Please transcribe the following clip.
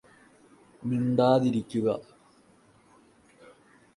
മിണ്ടാതിരിക്കുക